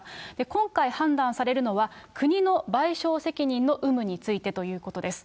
今回判断されるのは、国の賠償責任の有無についてということです。